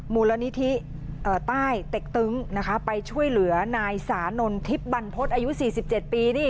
มุรณิธิใต้เต็กตึ้งไปช่วยเหลือนายสานลทิศบันพฤติ์อายุ๔๗ปีดิ